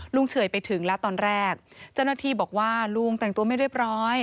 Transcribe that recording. เฉยไปถึงแล้วตอนแรกเจ้าหน้าที่บอกว่าลุงแต่งตัวไม่เรียบร้อย